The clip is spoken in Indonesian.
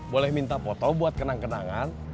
boleh minta foto buat kenang kenangan